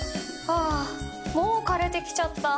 あもう枯れてきちゃった